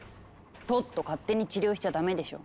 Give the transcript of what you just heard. トット勝手に治療しちゃダメでしょ。